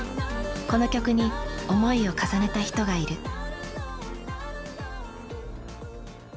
この曲に思いを重ねた人がいる。